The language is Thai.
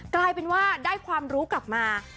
กลายเป็นว่าได้ความรู้กลับมา